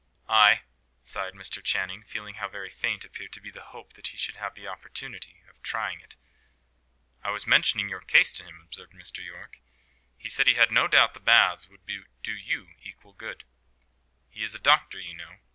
"Ay!" sighed Mr. Channing, feeling how very faint appeared to be the hope that he should have the opportunity of trying it. "I was mentioning your case to him," observed Mr. Yorke. "He said he had no doubt the baths would do you equal good. He is a doctor, you know.